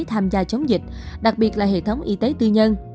tham gia chống dịch đặc biệt là hệ thống y tế tư nhân